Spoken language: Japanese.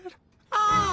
ああ！